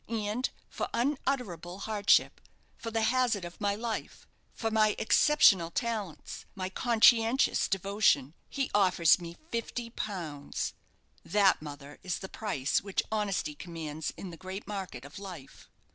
And for unutterable hardship, for the hazard of my life, for my exceptional talents, my conscientious devotion, he offers me fifty pounds. That, mother, is the price which honesty commands in the great market of life."